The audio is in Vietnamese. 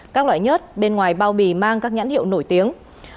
các loại nhớt bên ngoài bao bì mang các nhãn hiệu nổi tiếng